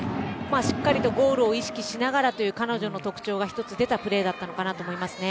しっかりとゴールを意識しながらという彼女の特徴が一つ出たプレーだったと思いますね。